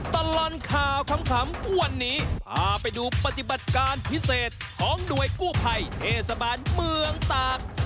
ตลอดข่าวขำวันนี้พาไปดูปฏิบัติการพิเศษของหน่วยกู้ภัยเทศบาลเมืองตาก